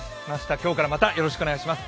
今日からまたよろしくお願いします。